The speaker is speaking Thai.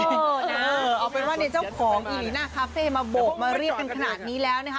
เออน่าเอาเป็นว่าเจ้าของอีรีน่าคาเฟ่มาบกมาเรียกกันขนาดนี้แล้ว